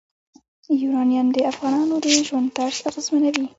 یورانیم د افغانانو د ژوند طرز اغېزمنوي.